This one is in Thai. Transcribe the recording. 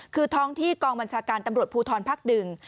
คือท้องที่กองบัญชาการตำรวจภูทรภักดิ์หนึ่ง